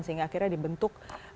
sehingga akhirnya dibentuk